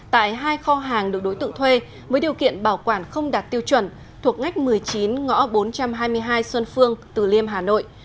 tại hai kho hàng được đối tượng thuê với điều kiện bảo quản không đạt tiêu chuẩn thuộc ngách một mươi chín ngõ bốn trăm hai mươi hai xuân phương từ liêm hà nội